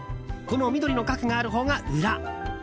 この緑のガクがあるほうが裏。